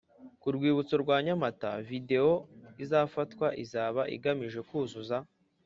ku rwibutso rwa Nyamata Videwo izafatwa izaba igamije kuzuza